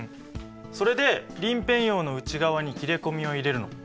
それで鱗片葉の内側に切れ込みを入れるの。